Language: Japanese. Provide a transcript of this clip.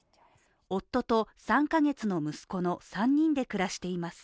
夫と３カ月の息子の３人で暮らしています。